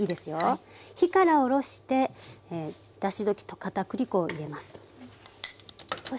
火から下ろしてだし溶き片栗粉を入れます。